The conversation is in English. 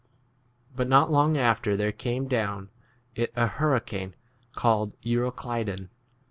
But not long after there came down it a hurricane 15 called Euroclydon.